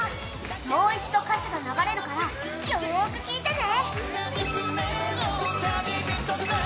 もう一度歌詞が流れるからよーく聴いてね！